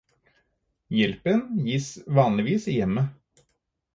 Hjelpen gis vanligvis i hjemmet.